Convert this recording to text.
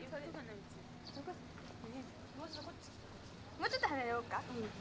もうちょっと離れようか？